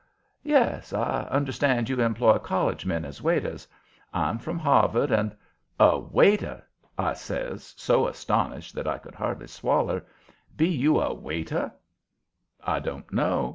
"Yes. I understand you employ college men as waiters. I'm from Harvard, and " "A waiter?" I says, so astonished that I could hardly swaller. "Be you a waiter?" "I don't know.